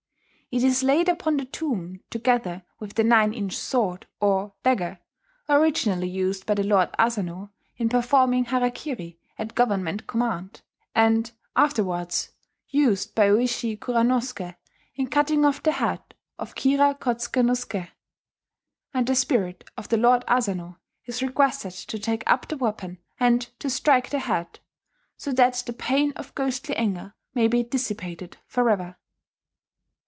It is laid upon the tomb together with the nine inch sword, or dagger, originally used by the Lord Asano in performing harakiri at Government command, and afterwards used by Oishi Kuranosuke in cutting off the head of Kira Kotsuke no Suke; and the spirit of the Lord Asano is requested to take up the weapon and to strike the head, so that the pain of ghostly anger may be dissipated forever.